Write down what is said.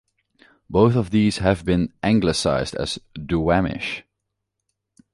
Both of these have been anglicized as "Duwamish".